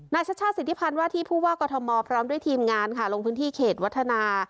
นายชัชชาติศิษภาพวาที่ผู้ว่ากฎมพร้อมด้วยทีมงานลงพื้นที่เขตวัฒนา